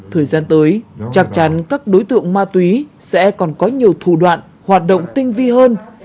thời gian tới chắc chắn các đối tượng ma túy sẽ còn có nhiều thủ đoạn hoạt động tinh vi hơn